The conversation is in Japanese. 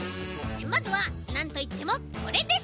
まずはなんといってもこれです！